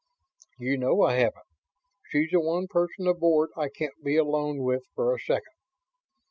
"You know I haven't. She's the one person aboard I can't be alone with for a second."